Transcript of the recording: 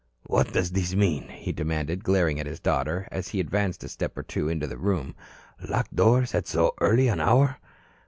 "What does this mean?" he demanded, glaring at his daughter as he advanced a step or two into the room. "Locked doors at so early an hour?"